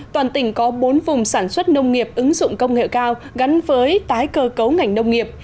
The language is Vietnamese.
toàn tỉnh có bốn vùng sản xuất nông nghiệp ứng dụng công nghệ cao gắn với tái cơ cấu ngành nông nghiệp